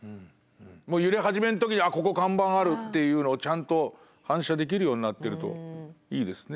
もう揺れ始めの時にここ看板あるっていうのをちゃんと反射できるようになってるといいですね。